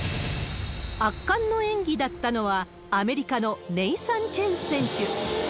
圧巻の演技だったのは、アメリカのネイサン・チェン選手。